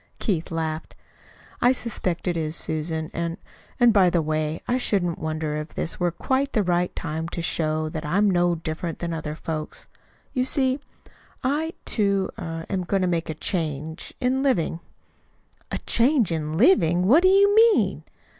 Keith laughed. "I suspect it is, Susan. And and, by the way, I shouldn't wonder if this were quite the right time to show that I'm no different from other folks. You see, I, too, er am going to make a change in living." "A change in living! What do you mean?"